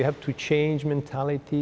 thay đổi những tính tính